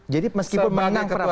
jadi meskipun menang pra peradilan